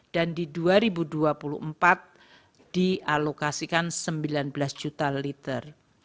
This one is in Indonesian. dan di dua ribu dua puluh empat dialokasikan rp sembilan belas juta liter